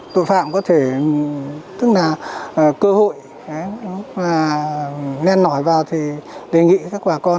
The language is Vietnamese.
tội phạm có thể tức là cơ hội nghen nổi vào thì đề nghị các bà con